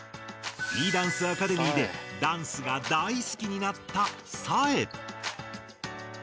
Ｅダンスアカデミーでダンスが大好きになったサエ。